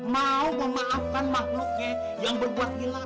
mau memaafkan makhluknya yang berbuat hilang